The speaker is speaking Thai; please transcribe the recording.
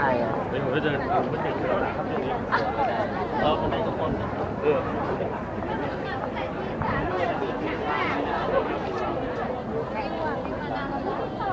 มันเป็นสิ่งที่จะให้ทุกคนรู้สึกว่ามันเป็นสิ่งที่จะให้ทุกคนรู้สึกว่า